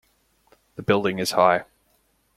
The building is high.